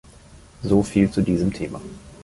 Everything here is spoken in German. Soviel zu diesem Thema.